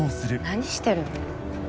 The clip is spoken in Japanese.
何してるの？